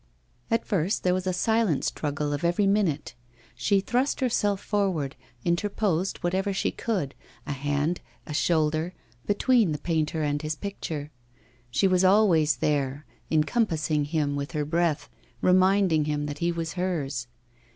At first there was a silent struggle of every minute. She thrust herself forward, interposed whatever she could, a hand, a shoulder, between the painter and his picture. She was always there, encompassing him with her breath, reminding him that he was hers.